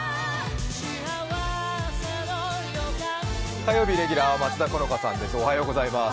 火曜日レギュラーは松田好花さんです。